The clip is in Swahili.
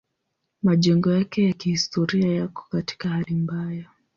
Majengo yake ya kihistoria yako katika hali mbaya.